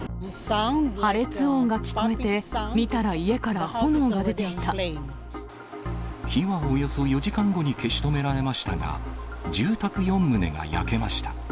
破裂音が聞こえて、火はおよそ４時間後に消し止められましたが、住宅４棟が焼けました。